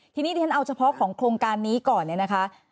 ทีนี้ดิฉันเอาเฉพาะของโครงการนี้ก่อนเนี่ยนะคะ